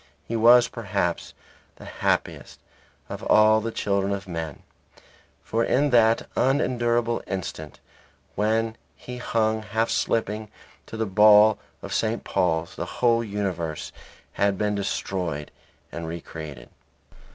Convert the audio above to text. He was, perhaps, the happiest of all the children of men. For in that unendurable instant when he hung, half slipping, to the ball of St. Paul's, the whole universe had been destroyed and re created.